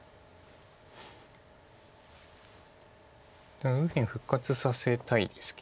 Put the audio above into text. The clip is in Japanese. でも右辺復活させたいですけど白は。